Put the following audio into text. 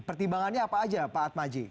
pertimbangannya apa aja pak atmaji